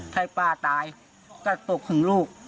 ถ้าป้าตายก็ตกถึงลูก